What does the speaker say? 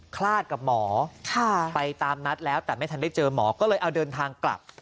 คลาดกับหมอไปตามนัดแล้วแต่ไม่ทันได้เจอหมอก็เลยเอาเดินทางกลับ